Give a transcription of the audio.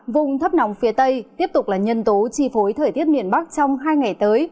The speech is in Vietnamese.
vùng thấp nóng phía tây tiếp tục là nhân tố chi phối thời tiết miền bắc trong hai ngày tới